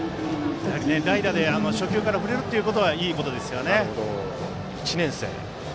代打で初球から振れるというのはいいことですよね。